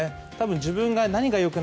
自分が何が良く